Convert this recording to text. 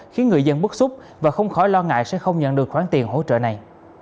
khiến người dân bức xúc và không khỏi lo ngại sẽ không nhận được khoản tiền hỗ trợ này